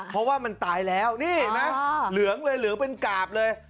เพราะว่ามันตายแล้วนี่เห็นไหมเหลืองเลยเหลืองเป็นกาบเลย